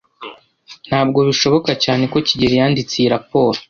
Ntabwo bishoboka cyane ko kigeli yanditse iyi raporo.